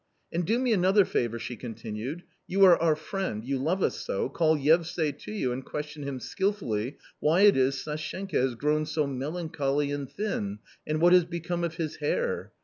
" And do me another favour," she continued ;" you are our friend, you love us so, call Yevsay to you and question him skilfully why it is Sashenka has grown so melancholy and thin and what has become of his hair